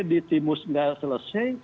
di timus gak selesai